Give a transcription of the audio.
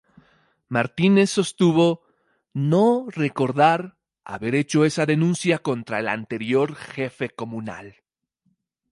Martínez sostuvo "no recordar" haber hecho esa denuncia contra el anterior jefe comunal.